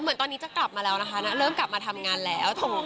เหมือนตอนนี้จะกลับมาแล้วนะคะเริ่มกลับมาทำงานแล้ว